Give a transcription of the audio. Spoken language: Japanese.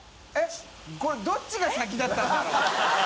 ┐これどっちが先だったんだろう？